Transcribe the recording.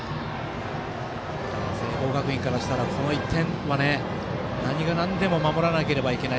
聖光学院からしたら、この１点は何がなんでも守らなければいけない。